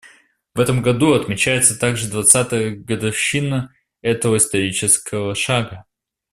В этом году отмечается также двадцатая годовщина этого исторического шага.